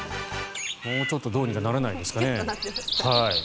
もうちょっとどうにかならないですかね。